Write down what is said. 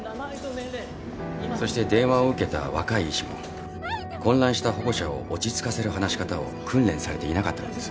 そして電話を受けた若い医師も混乱した保護者を落ち着かせる話し方を訓練されていなかったのです。